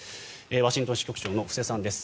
ワシントン支局長の布施さんです。